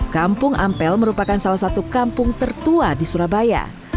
kampung ampel merupakan salah satu kampung tertua di surabaya